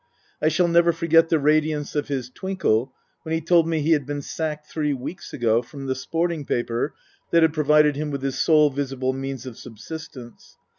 I shall never forget the radiance of his twinkle when he told me he had been sacked three weeks ago from the sporting paper that had provided him with his sole visible means of subsistence.